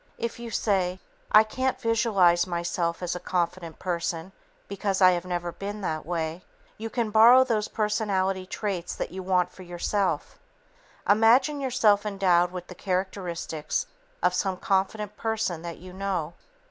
If you say, "I can't visualize myself as a confident person because I have never been that way," you can "borrow" those personality traits that you want for yourself. Imagine yourself endowed with the characteristics of some confident person that you know.